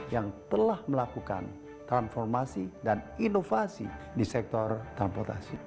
yang telah melakukan transformasi dan inovasi di sektor transportasi